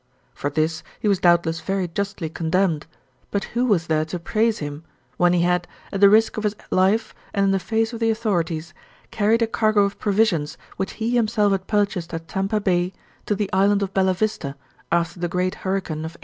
For this he was doubtless very justly condemned, but who was there to praise him when he had, at the risk of his life and in the face of the authorities, carried a cargo of provisions which he himself had purchased at Tampa Bay to the Island of Bella Vista after the great hurricane of 1818?